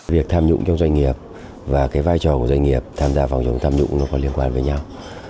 việc tham nhũng trong doanh nghiệp và cái vai trò của doanh nghiệp tham gia phòng chống tham nhũng nó có liên quan với nhau